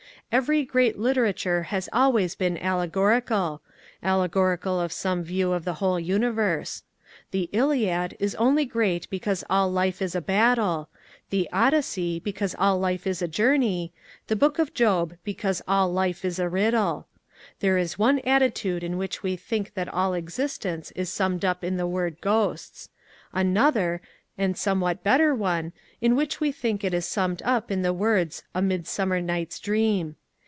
Every great literature has always been alle gorical — allegorical of some view of the whole universe. The " Iliad" is only great because all life is a battle, the " Odyssey" because all life is a journey, the Book of Job because all life is a riddle. There is A Defence of Nonsense one attitude in which we think that all existence is summed up in the word "ghosts"; another, and somewhat better one, in which we think, it is summed up in the words *'A Midsummer Night's Dream."